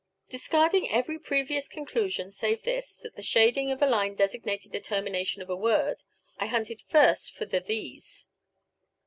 Discarding every previous conclusion save this, that the shading of a line designated the termination of a word, I hunted first for the thes.